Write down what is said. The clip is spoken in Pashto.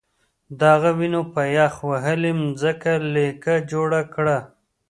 د هغه وینو په یخ وهلې ځمکه لیکه جوړه کړه